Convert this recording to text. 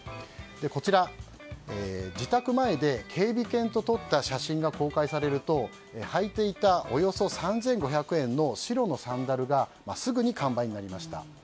こちら、自宅前で警備犬と撮った写真が公開されると履いていたおよそ３５００円の白のサンダルがすぐに完売になりました。